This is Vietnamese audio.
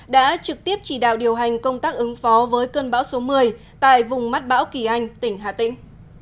đã trực tiếp chỉ đạo điều hành công tác ứng phó với cơn bão số một mươi tại vùng mắt bão kỳ anh tỉnh hà tĩnh